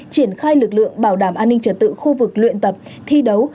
triển khai lực lượng bảo đảm an ninh trật tự khu vực luyện tập thi đấu